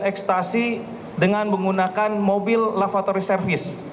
tersangka dari medan kuala namu masuk tanpa melalui jarur pemeriksaan barang